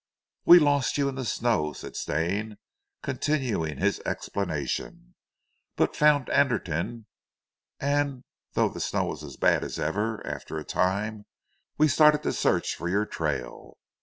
"We lost you in the snow," said Stane, continuing his explanation, "but found Anderton, and though the snow was as bad as ever, after a time we started to search for your trail.